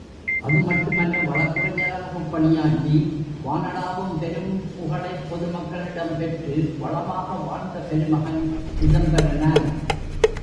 அதுமட்டுமல்ல, வழக்குரைஞராகப் பணியாற்றி வானளாவும் பெரும் புகழைப் பொது மக்களிடம் பெற்று வளமாக வாழ்ந்த பெருமகன் சிதம்பரனார்.